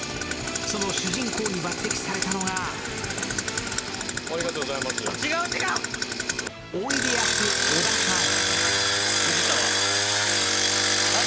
その主人公に抜てきされたのがおいでやす小田さん。